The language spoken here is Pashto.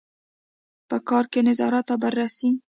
په کار کې نظارت او بررسي.